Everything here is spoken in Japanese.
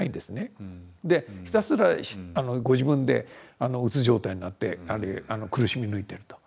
ひたすらご自分でうつ状態になって苦しみ抜いていると。